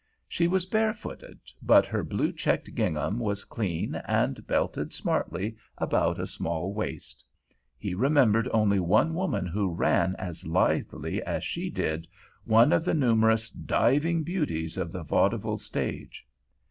She was barefooted, but her blue checked gingham was clean and belted smartly about a small waist. He remembered only one woman who ran as lithely as she did, one of the numerous "diving beauties" of the vaudeville stage.